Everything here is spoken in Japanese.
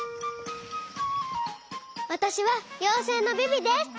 わたしはようせいのビビです！